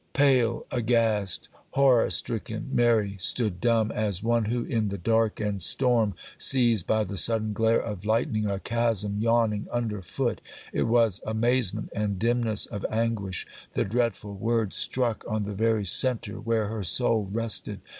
Pale, aghast, horror stricken, Mary stood dumb, as one who in the dark and storm sees by the sudden glare of lightning a chasm yawning under foot. It was amazement and dimness of anguish; the dreadful words struck on the very centre where her soul rested.